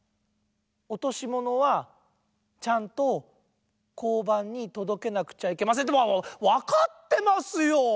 「おとしものはちゃんとこうばんにとどけなくちゃいけません」ってわかってますよ！